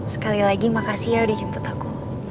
sekali lagi makasih ya udah jemput aku